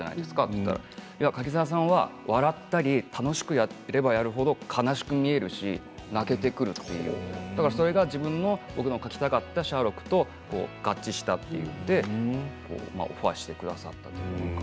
そしたら柿澤さんは笑ったり楽しくやればやる程悲しく見えるし泣けてくるそれが僕の書きたかったシャーロックと合致したということでオファーしてくださったんです。